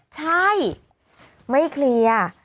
ใช่ไม่เคลียร์